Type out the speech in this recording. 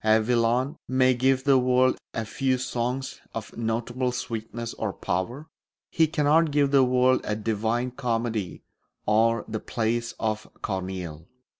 A Villon may give the world a few songs of notable sweetness or power; he cannot give the world a Divine Comedy or the plays of Corneille.